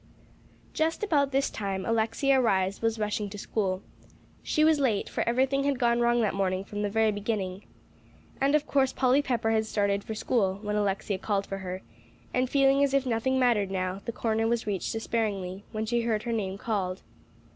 Just about this time, Alexia Rhys was rushing to school. She was late, for everything had gone wrong that morning from the very beginning. And of course Polly Pepper had started for school, when Alexia called for her; and feeling as if nothing mattered now, the corner was reached despairingly, when she heard her name called.